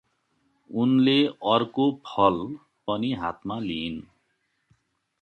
उनले अर्काे फल पनि हातमा लिइन् ।